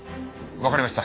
わかりました。